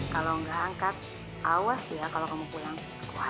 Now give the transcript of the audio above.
kalau nggak angkat awas ya kalau kamu pulang